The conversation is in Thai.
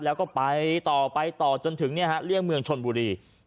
แล้วไปต่อจนถึงเลี่ยงเมืองชลบุรี